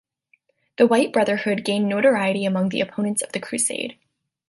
The White Brotherhood gained notoriety among the opponents of the Crusade.